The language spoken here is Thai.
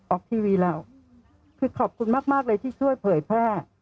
ออกทีวีแล้วคือขอบคุณมากมากเลยที่ช่วยเผยแพร่